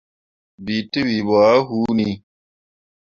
Bii tewii ɓo ah hunni.